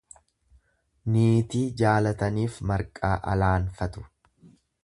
Niitii jaalataniif marqaa alaanfatu.